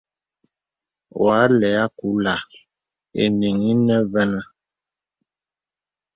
Wà lɛ àkùla ìyìŋ ìnə vənə.